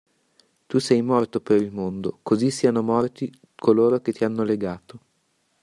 Tu sei morto per il mondo, così siano morti coloro che ti hanno legato!